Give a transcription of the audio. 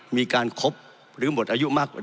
มีการครบหรือหมดอายุมาก